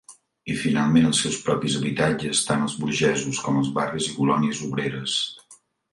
I, finalment, els seus propis habitatges, tant els burgesos com els barris i colònies obreres.